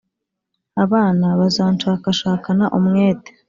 abana bazanshakashakana umwete